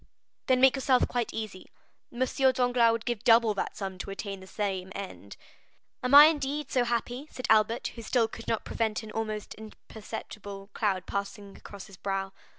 "Then make yourself quite easy. M. Danglars would give double that sum to attain the same end." "Am I, indeed, so happy?" said Albert, who still could not prevent an almost imperceptible cloud passing across his brow.